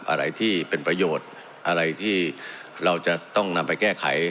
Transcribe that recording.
อะไรที่เป็นประโยชน์อะไรที่เราจะต้องนำไปแก้ไข